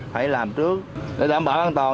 phải làm trước để đảm bảo an toàn